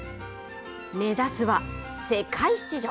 目指すは世界市場。